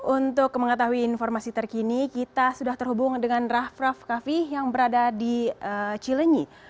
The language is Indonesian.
untuk mengetahui informasi terkini kita sudah terhubung dengan raff raff kaffi yang berada di cilenyi